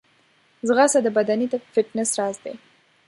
ځغاسته د بدني فټنس راز دی